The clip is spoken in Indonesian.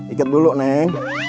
ikat dulu neng